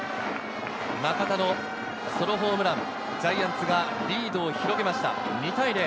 中田のソロホームラン、ジャイアンツがリードを広げました、２対０。